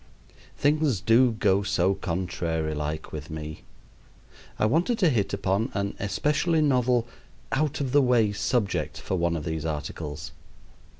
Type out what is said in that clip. Things do go so contrary like with me. I wanted to hit upon an especially novel, out of the way subject for one of these articles.